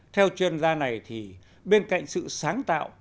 theo chuyên gia này bên cạnh sự sáng tạo